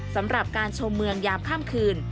สำหรับการชมเมืองหยาบข้ามคืน